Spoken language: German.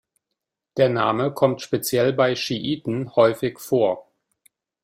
Der Name kommt speziell bei Schiiten häufig vor.